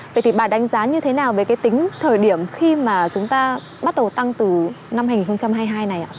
vậy thì bà đánh giá như thế nào về cái tính thời điểm khi mà chúng ta bắt đầu tăng từ năm hai nghìn hai mươi hai này ạ